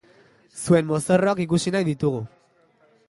Zuen mozorroak ikusi nahi ditugu!